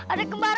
ada kembaran kamu